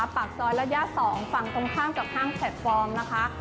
ปากซอยรัชญา๒ฝั่งตรงข้างจากข้างแพลตฟอร์มนะคะ